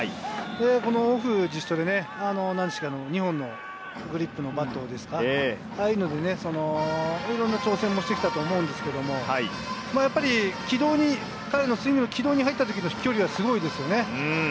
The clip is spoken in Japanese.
このオフ、自主トレで２本のグリップのバットですか、ああいうのでいろんな調整もしてきたと思うんですけれど、やっぱり彼のスイングの軌道に入った時の飛距離はすごいですよね。